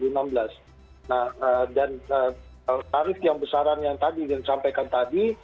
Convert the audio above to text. nah dan tarif yang besaran yang tadi disampaikan tadi